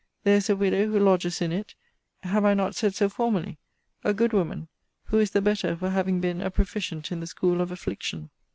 There is a widow who lodges in it [have I not said so formerly?] a good woman; who is the better for having been a proficient in the school of affliction.